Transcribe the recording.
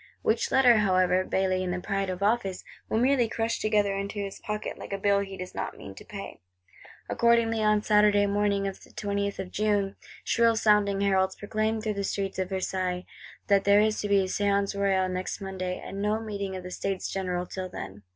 Which Letter, however, Bailly in the pride of office, will merely crush together into his pocket, like a bill he does not mean to pay. Accordingly on Saturday morning the 20th of June, shrill sounding heralds proclaim through the streets of Versailles, that there is to be a Séance Royale next Monday; and no meeting of the States General till then.